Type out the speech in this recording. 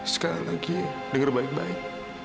sekali lagi dengar baik baik